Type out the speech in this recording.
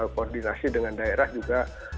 koordinasi dengan daerah juga